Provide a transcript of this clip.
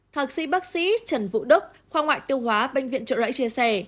thạc sĩ bác sĩ trần vũ đức khoa ngoại tiêu hóa bệnh viện trộn rãi chia sẻ